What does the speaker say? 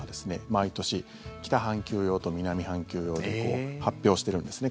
毎年、北半球用と南半球用で発表してるんですね。